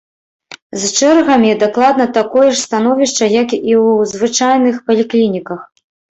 З чэргамі дакладна такое ж становішча як і ў звычайных паліклініках.